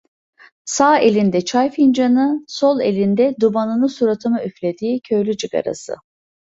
Sağ elinde çay fincanı, sol elinde dumanını suratıma üflediği köylü cigarası…